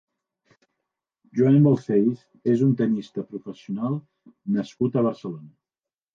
Joan Balcells és un tennista professional nascut a Barcelona.